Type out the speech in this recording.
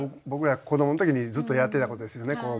僕ら子どもの時にずっとやってたことですよね。